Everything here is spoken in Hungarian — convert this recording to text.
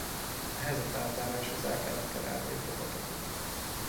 Ehhez a feltáráshoz el kellett terelniük a patakot.